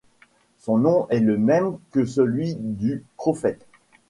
Son nom est le même que celui du Prophète.